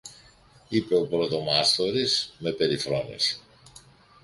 είπε ο πρωτομάστορης με περιφρόνηση.